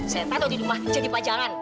saya taruh di rumah jadi pajangan